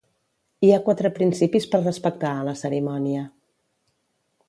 Hi ha quatre principis per respectar a la cerimònia.